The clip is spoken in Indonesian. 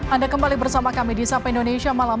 anda kembali bersama kami di sapa indonesia malam